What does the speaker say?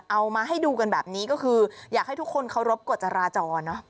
เอามาให้ดูกันแบบนี้ก็คืออยากให้ทุกคนเคารพกฎจราจรเนอะ